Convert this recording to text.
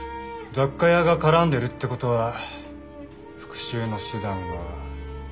雑貨屋が絡んでるってことは復讐の手段は爆弾。